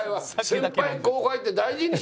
先輩後輩って大事にしないと。